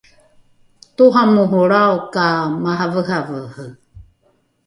toramorolrao ka maraveravere